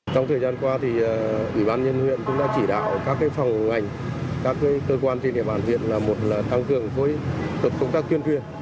trong thời gian qua thì ủy ban nhân huyện cũng đã chỉ đạo các phòng ngành các cơ quan trên địa bàn huyện là một là tăng cường với thuật công tác tuyên truyền